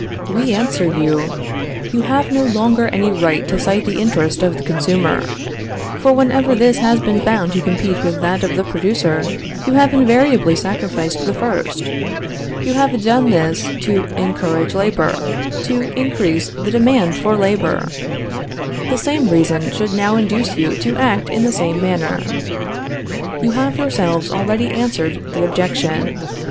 "We answer you: "You have no longer any right to cite the interest of the consumer. For whenever this has been found to compete with that of the producer, you have invariably sacrificed the first. You have done this to encourage labor, to increase the demand for labor. The same reason should now induce you to act in the same manner. "You have yourselves already answered the objection.